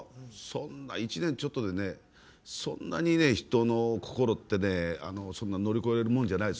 そんな１年ちょっとで、そんなに人の心ってね乗り越えられるもんじゃない。